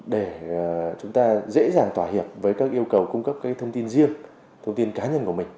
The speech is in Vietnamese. để chúng ta dễ dàng tỏa hiệp với các yêu cầu cung cấp cái thông tin riêng thông tin cá nhân của mình